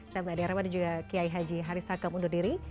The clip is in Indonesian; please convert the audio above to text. saya mbak adhiyah saya juga pak kiai haji haris hakam undur diri